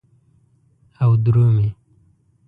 او درومې